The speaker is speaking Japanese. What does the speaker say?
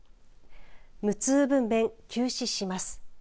無痛分娩休止します。